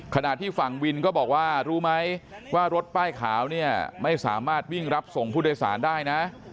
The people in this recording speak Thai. ขณะที่ฝั่งวินก็บอกว่ารู้ไหมว่ารถป้ายขาวเนี่ยไม่สามารถวิ่งรับส่งผู้โดยสารได้นะ